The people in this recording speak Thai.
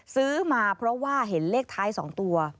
ซื้อมาเพราะว่าเห็นเลขท้าย๒ตัว